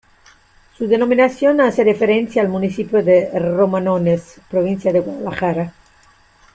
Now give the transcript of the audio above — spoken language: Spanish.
Su denominación hace referencia al municipio de Romanones, provincia de Guadalajara.